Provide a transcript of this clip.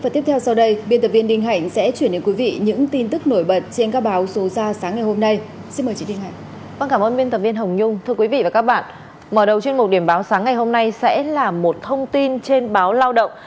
quý vị và các bạn mở đầu chuyên mục điểm báo sáng ngày hôm nay sẽ là một thông tin trên báo lao động